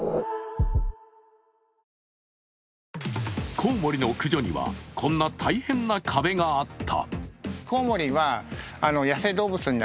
コウモリの駆除にはこんな大変な壁があった。